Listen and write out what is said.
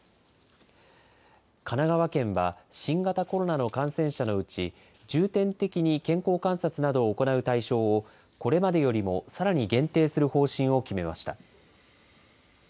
神奈川県は、新型コロナの感染者のうち、重点的に健康観察などを行う対象を、これまでよりもさらに限定する方針を決めました。